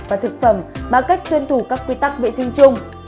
và thực phẩm bằng cách tuân thủ các quy tắc vệ sinh chung